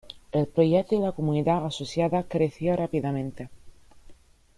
El proyecto y la comunidad asociada creció rápidamente.